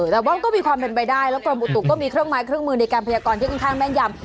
แต่ว่าก็มีความเป็นไปได้แล้วกรมอุตุก็มีเครื่องไม้เครื่องมือในการพยากรที่ค่อนข้างแม่นยำ